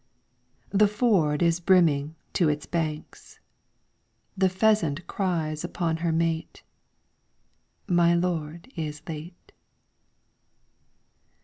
The ford is brimming to its banks ; The pheasant cries upon her mate. My lord is late.